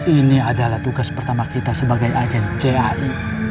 ini adalah tugas pertama kita sebagai agen cai